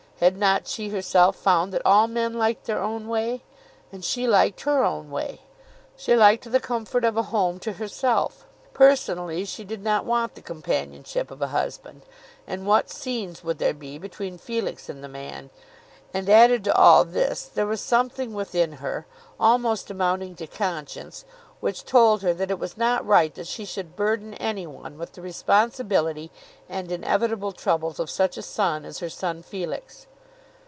Had not she herself found that all men liked their own way? And she liked her own way. She liked the comfort of a home to herself. Personally she did not want the companionship of a husband. And what scenes would there be between Felix and the man! And added to all this there was something within her, almost amounting to conscience, which told her that it was not right that she should burden any one with the responsibility and inevitable troubles of such a son as her son Felix.